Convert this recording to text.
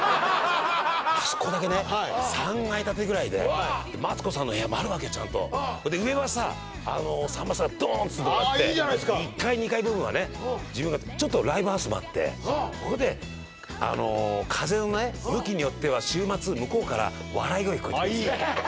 ３階建てぐらいでマツコさんの部屋もあるわけちゃんとそれで上はささんまさんがドーンと住んでもらって１階２階部分はねちょっとライブハウスもあってそれで風の向きによっては週末向こうから笑い声聞こえてくるんですよ